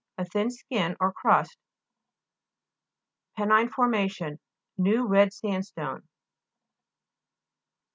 A thin skin, or crust. PEJTINE FORMATION New red sand stone (p.